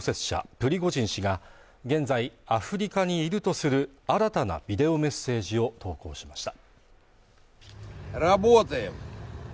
プリゴジン氏が現在アフリカにいるとする新たなビデオメッセージを投稿しました